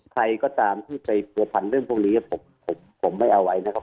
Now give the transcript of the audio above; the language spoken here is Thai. ใครก็ตามที่ไปผัวพันเรื่องพวกนี้ผมไม่เอาไว้นะครับ